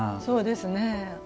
そうですね。